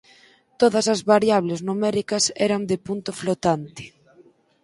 Todas as variables numéricas eran de punto flotante.